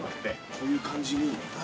こういう感じに。